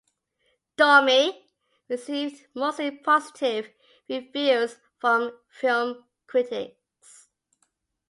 "Dummy" received mostly positive reviews from film critics.